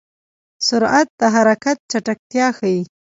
سرعت د حرکت چټکتیا ښيي.